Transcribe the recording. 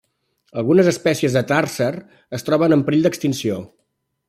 Algunes espècies de tarser es troben en perill d'extinció.